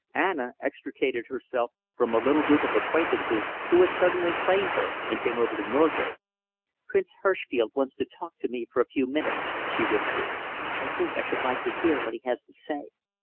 Anna extricated herself from a little group of acquaintances who had suddenly claimed her and came over to Norgate. "Prince Herschfeld wants to talk to me for a few minutes," she whispered. "I think I should like to hear what he has to say.